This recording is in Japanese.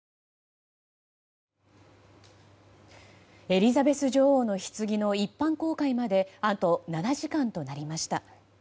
エリザベス女王のひつぎの一般公開まであと７時間となりました。